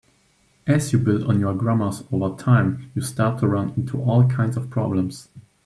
As you build on your grammars over time, you start to run into all kinds of problems.